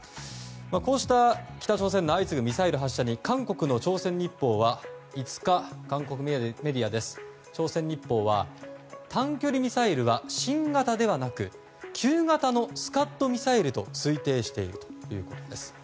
こうした北朝鮮の相次ぐミサイル発射に韓国の朝鮮日報は５日、韓国メディアは短距離ミサイルは新型ではなく旧型のスカッドミサイルと推定しているということです。